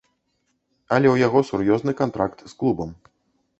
Але ў яго сур'ёзны кантракт з клубам.